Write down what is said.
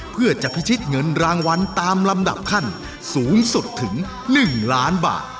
เพื่อจะพิชิตเงินรางวัลตามลำดับขั้นสูงสุดถึง๑ล้านบาท